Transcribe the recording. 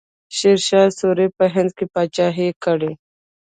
شیرشاه سوري په هند کې پاچاهي کړې.